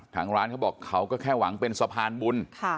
ทางร้านเขาบอกเขาก็แค่หวังเป็นสะพานบุญ